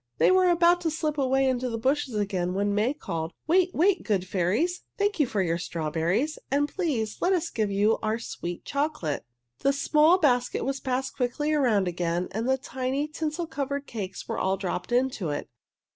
They were about to slip away into the bushes again when May called, "Wait, wait, good fairies! Thank you for your strawberries, and please let us give you our sweet chocolate." The small basket was passed quickly around again and the tiny tinsel covered cakes were all dropped into it.